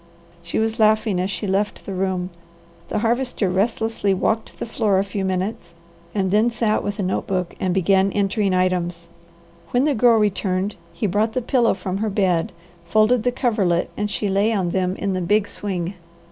She was laughing as she left the room. The Harvester restlessly walked the floor a few minutes and then sat with a notebook and began entering stems. When the Girl returned, he brought the pillow from her bed, folded the coverlet, and she lay on them in the big swing.